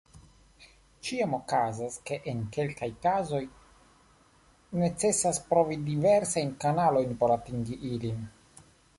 Ĉiam okazas ke en kelkaj kazoj necesas provi diversajn kanalojn por atingi ilin.